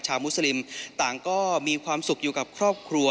มุสลิมต่างก็มีความสุขอยู่กับครอบครัว